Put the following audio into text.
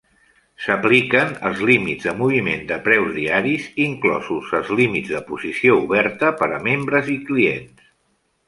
S'apliquen els límits de moviment de preus diaris, inclosos els límits de posició oberta per a membres i clients.